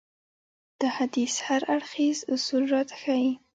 دا حديث هر اړخيز اصول راته ښيي.